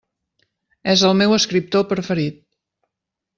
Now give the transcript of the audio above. És el meu escriptor preferit.